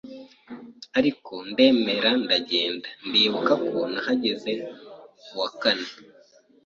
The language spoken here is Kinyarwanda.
ariko ndemera ndagenda ndibuka ko nahageze kuwa kane